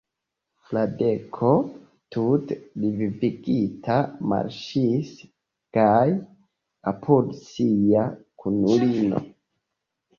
Fradeko tute revivigita marŝis gaje apud sia kunulino.